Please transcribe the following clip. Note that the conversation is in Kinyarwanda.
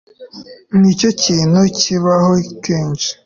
nicyo kintu kibaho kenshi